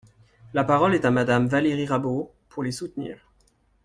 La parole est à Madame Valérie Rabault, pour les soutenir.